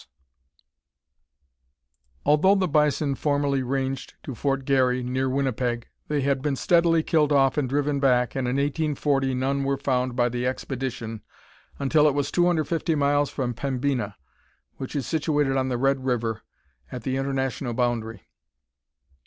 ] Although the bison formerly ranged to Fort Garry (near Winnipeg), they had been steadily killed off and driven back, and in 1840 none were found by the expedition until it was 250 miles from Pembina, which is situated on the Red River, at the international boundary.